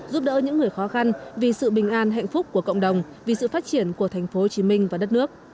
giúp đỡ những người khó khăn vì sự bình an hạnh phúc của cộng đồng vì sự phát triển của tp hcm và đất nước